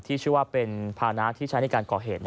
ชื่อว่าเป็นภานะที่ใช้ในการก่อเหตุ